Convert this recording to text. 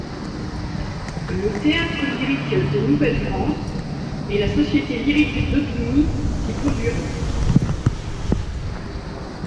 Le théâtre lyrique de Nouvelle-France et la Société lyrique d'Aubigny s'y produiront.